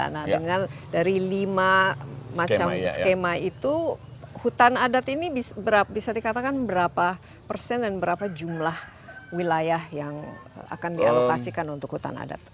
nah dengan dari lima macam skema itu hutan adat ini bisa dikatakan berapa persen dan berapa jumlah wilayah yang akan dialokasikan untuk hutan adat